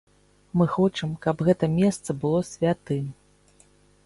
Мы хочам, каб гэта месца было святым.